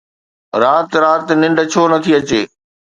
رات رات ننڊ ڇو نٿي اچي؟